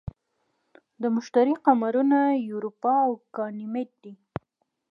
د مشتری قمرونه یوروپا او ګانیمید دي.